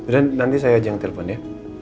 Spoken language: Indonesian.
dan nanti saya ajang telepon ya